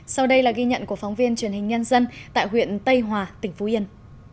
sau đây là ghi nhận của phóng viên truyền hình nhân dân tại huyện tây hòa tỉnh phú yên